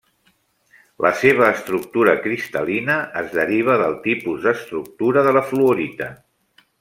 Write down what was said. La seva estructura cristal·lina es deriva del tipus d'estructura de la fluorita.